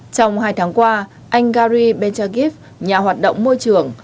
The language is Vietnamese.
trong hai tháng qua anh gary bejagiev nhà hoạt động môi trường